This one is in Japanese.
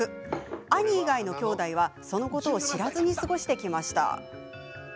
兄以外のきょうだいはそのことを知らずに過ごしてきました。